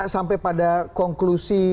sampai pada konklusi